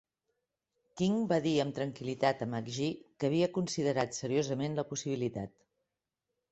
King va dir amb tranquil·litat a McGee que havia considerat seriosament la possibilitat.